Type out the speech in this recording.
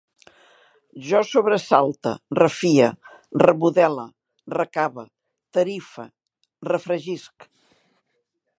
Jo sobresalte, refie, remodele, recave, tarife, refregisc